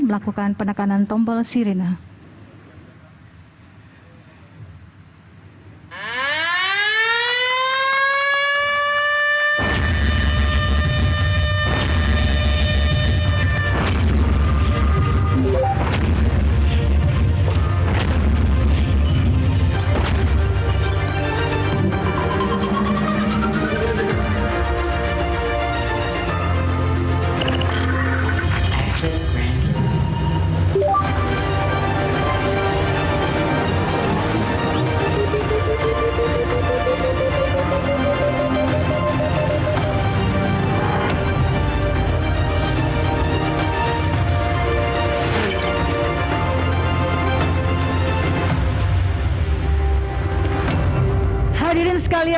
melakukan penekanan tombol sirena